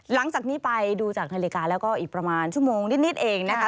หลังจากนี้ไปดูจากนาฬิกาแล้วก็อีกประมาณชั่วโมงนิดเองนะคะ